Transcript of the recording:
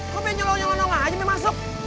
kok pengen nyolong nyolong aja masuk